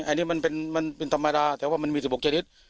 อันนี้มันเป็นธรรมดาแต่มันมีสิทธิภูมิ๑๖ชนิด